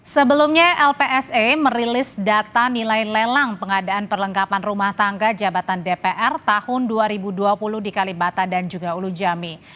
sebelumnya lpse merilis data nilai lelang pengadaan perlengkapan rumah tangga jabatan dpr tahun dua ribu dua puluh di kalibata dan juga ulu jami